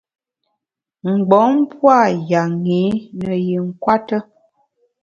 Mgbom pua’ yanyi ne yi nkwete.